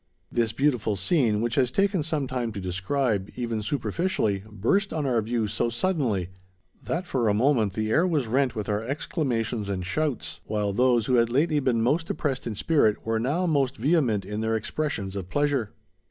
This beautiful scene, which has taken some time to describe, even superficially, burst on our view so suddenly, that for a moment the air was rent with our exclamations and shouts, while those who had lately been most depressed in spirit were now most vehement in their expressions of pleasure.